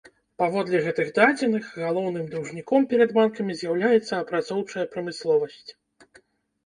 Паводле гэтых дадзеных, галоўным даўжніком перад банкамі з'яўляецца апрацоўчая прамысловасць.